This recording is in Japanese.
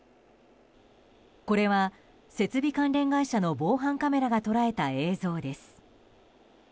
これは設備関連会社の防犯カメラが捉えた映像です。